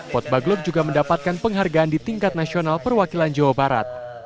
potbaglob juga mendapatkan penghargaan di tingkat nasional perwakilan jawa barat